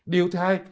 điều thứ hai